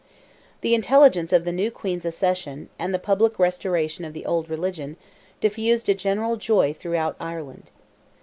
The intelligence of the new Queen's accession, and the public restoration of the old religion, diffused a general joy throughout Ireland.